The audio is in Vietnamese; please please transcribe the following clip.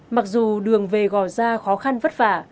mặc dù đường về gò ra khó khăn vất vả